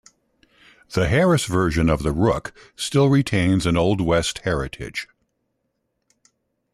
The Harris version of the Rook still retains an Old West heritage.